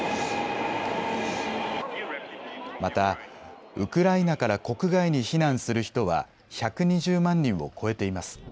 またウクライナから国外に避難する人は１２０万人を超えています。